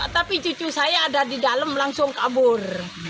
tapi cucu saya ada di dalam langsung kabur